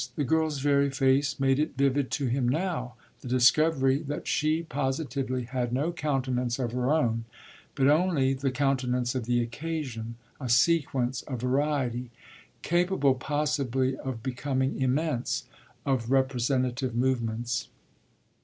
The girl's very face made it vivid to him now the discovery that she positively had no countenance of her own, but only the countenance of the occasion, a sequence, a variety capable possibly of becoming immense of representative movements.